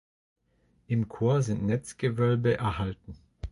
Im Chor sind Netzgewölbe erhalten.